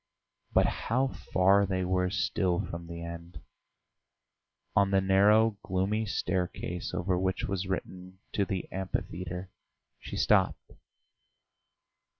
But how far they were still from the end! On the narrow, gloomy staircase over which was written "To the Amphitheatre," she stopped.